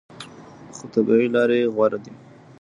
خو طبیعي لارې غوره دي.